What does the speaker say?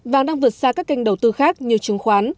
vàng đang vượt xa các kênh đầu tư khác như chứng khoán